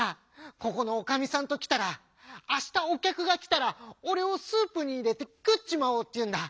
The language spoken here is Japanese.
ここのおかみさんときたら明日お客が来たら俺をスープに入れて食っちまおうって言うんだ。